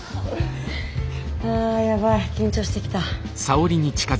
あやばい緊張してきた。